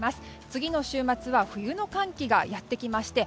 次の週末は冬の寒気がやってきまして